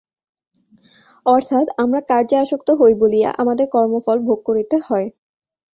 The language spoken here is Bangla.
অর্থাৎ আমরা কার্যে আসক্ত হই বলিয়া আমাদের কর্মফল ভোগ করিতে হয়।